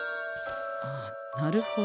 ああなるほど。